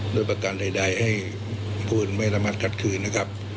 โดยประกันใดให้ผู้อื่นวิทยามันขัดทืนนะครับ